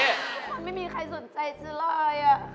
มันไม่มีใครสนใจเจออะไร